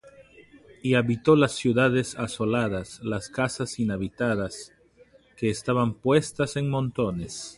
Y habitó las ciudades asoladas, Las casas inhabitadas, Que estaban puestas en montones.